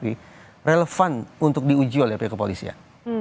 yang relevan untuk diuji oleh pria kepolisian